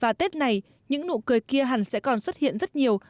và tết này những nụ cười kia hẳn sẽ còn xuất hiện rất nhiều